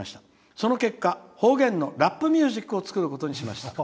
その結果方言のラップミュージックを作ることにしました。